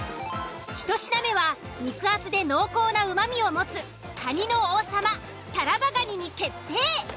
１品目は肉厚で濃厚なうまみを持つカニの王様タラバガニに決定。